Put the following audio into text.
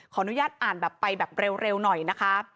อนุญาตอ่านแบบไปแบบเร็วหน่อยนะคะ